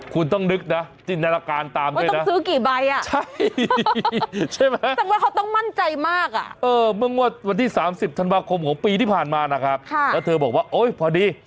ของปีที่ผ่านมานะครับค่ะแล้วเธอบอกว่าโอ๊ยพอดี